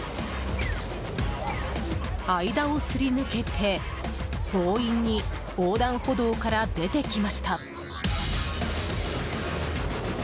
間をすり抜けて強引に横断歩道から出てきました。